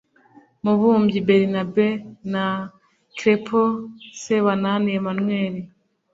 Mubumbyi Bernabe na Crespo Sebanani Emmanuel